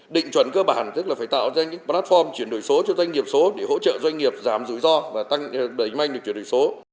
định chuẩn cơ bản tức là phải tạo ra những platform chuyển đổi số cho doanh nghiệp số để hỗ trợ doanh nghiệp giảm rủi ro và đẩy mạnh được chuyển đổi số